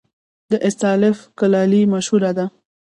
د استالف کلالي مشهوره ده